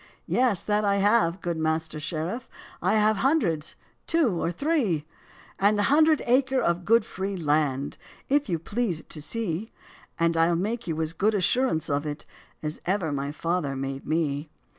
"Yes, that I have, good master sheriff, I have hundreds two or three; "And a hundred aker of good free land, If you please it to see: And Ile make you as good assurance of it, As ever my father made me."